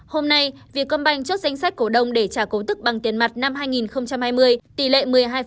hôm nay việc cơm banh trước danh sách cổ đông để trả cổ tức bằng tiền mặt năm hai nghìn hai mươi tỷ lệ một mươi hai